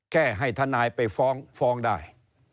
แค่ให้ทนายไปฟ้องฟ้องได้